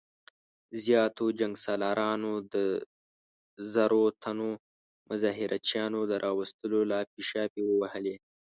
زياتو جنګ سالارانو د زرو تنو مظاهره چيانو د راوستلو لاپې شاپې ووهلې.